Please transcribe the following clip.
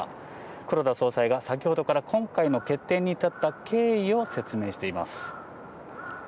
黒田総裁が先ほどから、今回の決定に至った経緯を説明しています。